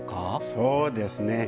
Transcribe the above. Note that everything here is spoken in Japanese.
そうですね。